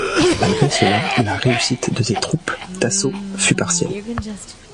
Malgré cela, la réussite de ces troupes d'assauts fut partielle.